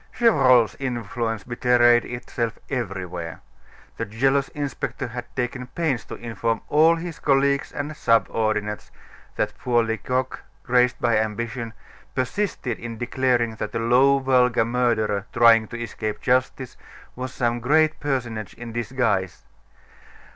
Gevrol's influence betrayed itself everywhere. The jealous inspector had taken pains to inform all his colleagues and subordinates that poor Lecoq, crazed by ambition, persisted in declaring that a low, vulgar murderer trying to escape justice was some great personage in disguise.